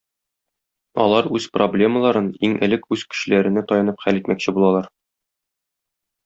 Алар үз проблемаларын иң элек үз көчләренә таянып хәл итмәкче булалар.